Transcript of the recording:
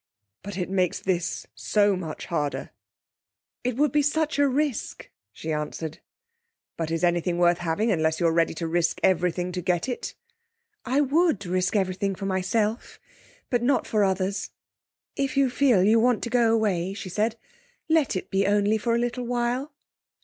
But it makes this so much harder.' 'It would be such a risk!' she answered. 'But is anything worth having unless you're ready to risk every thing to get it?' 'I would risk everything, for myself. But not for others...If you feel you want to go away,' she said, 'let it be only for a little while.'